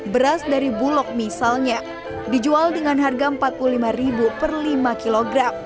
beras dari bulog misalnya dijual dengan harga rp empat puluh lima per lima kg